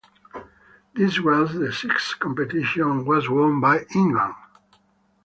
This was the sixth competition and was won by England.